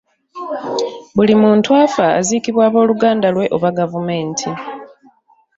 Buli muntu afa aziikibwa abooluganda lwe oba gavumenti.